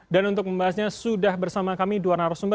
dan untuk membahasnya sudah bersama kami dua narasumber